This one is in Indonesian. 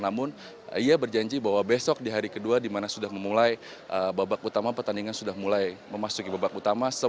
namun ia berjanji bahwa besok di hari kedua dimana sudah memulai babak utama pertandingan sudah mulai memasuki babak utama